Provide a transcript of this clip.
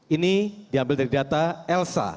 ini diambil dari data elsa